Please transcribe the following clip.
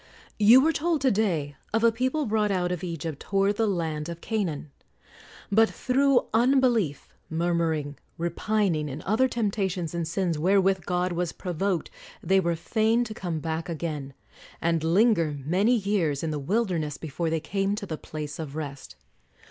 You were told to day of a people brought out of Egypt toward the land of Canaan; but through unbelief, murmuring, repining, and other temptations and sins wherewith God was provoked, they were fain to come back again, and linger many years in the wilderness before they came to the place of rest.